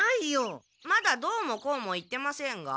まだどうもこうも言ってませんが。